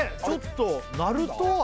ちょっとなると？